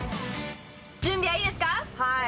準備はいいですか？